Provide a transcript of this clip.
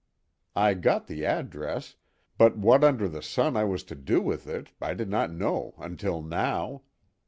I got the address, but what under the sun I was to do with it, I did not know until now.